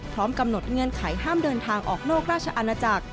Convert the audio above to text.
พร้อมกำหนดเงื่อนไขห้ามเดินทางออกนอกราชอาณาจักร